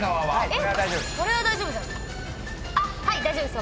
大丈夫です。